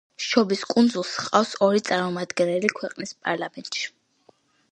შობის კუნძულს ჰყავს ორი წარმომადგენელი ქვეყნის პარლამენტში.